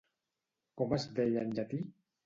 Com es deia en llatí?